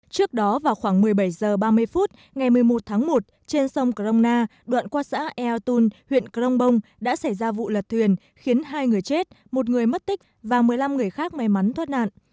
trước đó vào khoảng một mươi bảy h ba mươi phút ngày một mươi một tháng một trên sông crongna đoạn qua xã ea tôn huyện crong bông đã xảy ra vụ lật thuyền khiến hai người chết một người mất tích và một mươi năm người khác may mắn thoát nạn